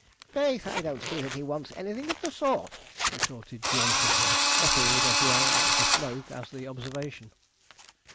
'Faith, I don't see that he wants anything of the sort,' retorted Jawleyford, nettled as well at the smoke as the observation.